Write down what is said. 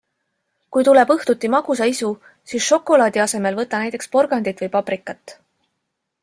Kui tuleb õhtuti magusaisu, siis šokolaadi asemel võta näiteks porgandit või paprikat.